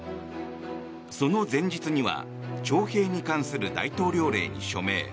その前日には徴兵に関する大統領令に署名。